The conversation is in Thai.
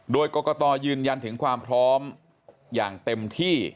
โดยกรกตยืนยันถึงความพร้อมอย่างเต็มที่